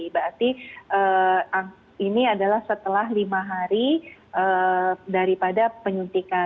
berarti ini adalah setelah lima hari daripada penyuntikan